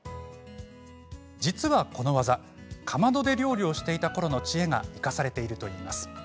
実はこの技かまどで料理をしていたころの知恵が生かされているといいます。